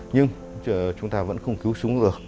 nhưng chúng ta vẫn không cứu súng được